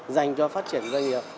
dành cho phát triển doanh nghiệp